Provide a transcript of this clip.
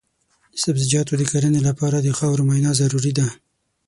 د سبزیجاتو د کرنې لپاره د خاورو معاینه ضروري ده.